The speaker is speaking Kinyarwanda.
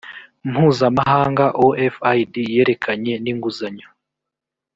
mpuzamahanga ofid yerekeranye n inguzanyo